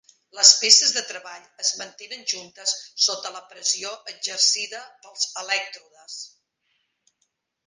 Les peces de treball es mantenen juntes sota la pressió exercida pels elèctrodes.